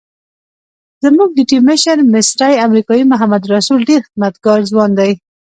زموږ د ټیم مشر مصری امریکایي محمد رسول ډېر خدمتګار ځوان دی.